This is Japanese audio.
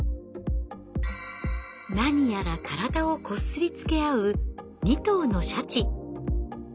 何やら体をこすりつけ合う２頭のシャチ。